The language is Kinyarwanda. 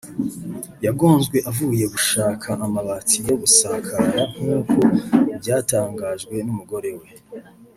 yagonzwe avuye gushaka amabati yo kugasakara nk’uko byatangajwe n’umugore we